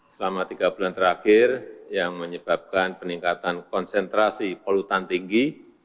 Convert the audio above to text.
selama tiga bulan terakhir yang menyebabkan peningkatan konsentrasi polutan tinggi